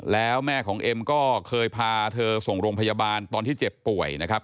แล้วแม่ของเอ็มก็เคยพาเธอส่งโรงพยาบาลตอนที่เจ็บป่วยนะครับ